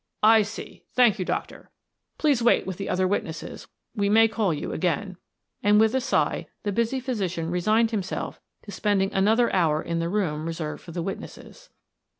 "I see. Thank you, doctor. Please wait with the other witnesses; we may call you again," and with a sigh the busy physician resigned himself to spending another hour in the room reserved for the witnesses.